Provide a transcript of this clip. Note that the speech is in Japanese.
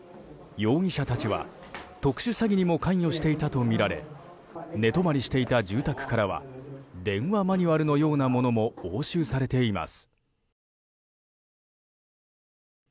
容疑者たちは、特殊詐欺にも関与していたとみられ寝泊まりしていた住宅からは電話マニュアルのようなものも押収されています。